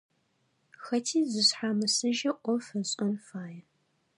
Хэти зышъхьамысыжьэу ӏоф ышӏэн фае.